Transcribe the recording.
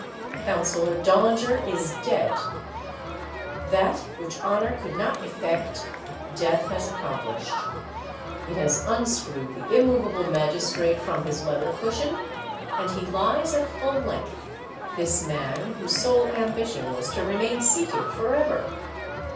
Councillor Dollinger is dead ! That which honor could not effect, death has accomplished. It has unscrewed the immovable magistrate from his leather cushion, and he lies at full length, this man whose sole ambition was to remain seated forever